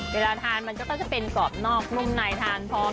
เวลาทานมันก็จะเป็นกรอบนอกนุ่มในทานพร้อม